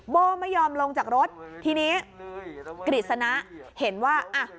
โบ้ไม่ยอมลงจากรถทีนี้กฤษณะเห็นว่าอ่ะ